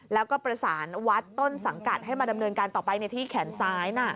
แล้วก็ประสานวัดต้นสังกัดให้มาดำเนินการต่อไปในที่แขนซ้าย